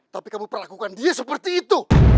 tapi kamu perlakukan dia seperti itu